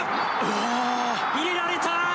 入れられた！